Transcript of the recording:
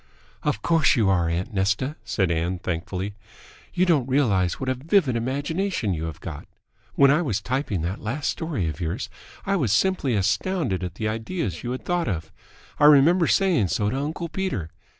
"Of course you are, aunt Nesta," said Ann thankfully. "You don't realise what a vivid imagination you have got. When I was typing that last story of yours, I was simply astounded at the ideas you had thought of. I remember saying so to uncle Peter.